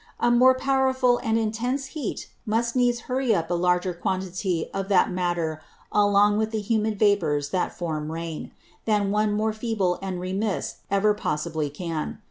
A more powerful and intense Heat must needs hurry up a larger quantity of that Matter along with the humid Vapours that form Rain, than one more feeble and remiss ever possibly can.